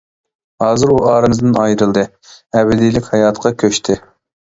ھازىر ئۇ ئارىمىزدىن ئايرىلدى، ئەبەدىيلىك ھاياتقا كۆچتى.